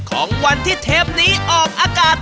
ของวันที่เทปนี้ออกอากาศ